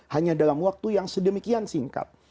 hanya dalam waktu yang sedemikian singkat